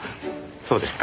そうですか。